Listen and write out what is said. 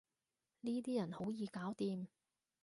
呢啲人好易搞掂